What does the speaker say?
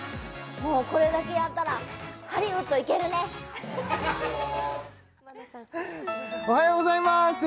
もうこれだけやったらハリウッド行けるねおはようございます！